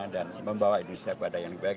dan membawa indonesia kepada yang baik